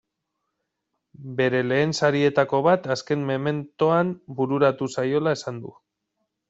Bere lehen sarietako bat azken mementoan bururatu zaiola esan du.